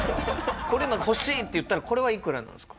これ今欲しいって言ったらこれはいくらなんですか？